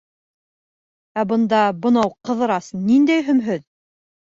Ә бында бынауы Ҡыҙырас ниндәй һөмһөҙ!..